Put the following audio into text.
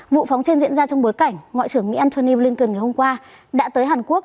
vụ phóng trên diễn ra trong bối cảnh ngoại trưởng mỹ antony blinken ngày hôm qua đã tới hàn quốc